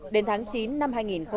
đến tháng chín năm hai nghìn năm